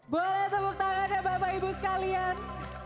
boleh tepuk tangan ya bapak ibu sekalian